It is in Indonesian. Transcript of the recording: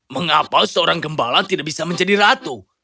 mengapa seorang gembala tidak bisa menjadi ratu